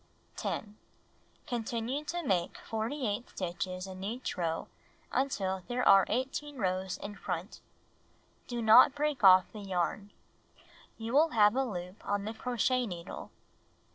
10. Continue to make 48 stitches ia each row until there are 18 rows in front. Do not break off the yarn. You will have a loop on the crochet needle.